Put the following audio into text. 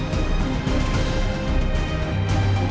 โปรดติดตามต่อไป